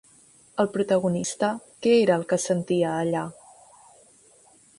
El protagonista, què era el que sentia allà?